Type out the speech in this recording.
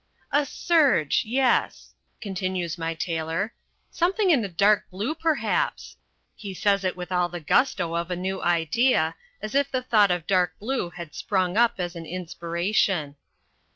"A serge, yes," continues my tailor, "something in a dark blue, perhaps." He says it with all the gusto of a new idea, as if the thought of dark blue had sprung up as an inspiration.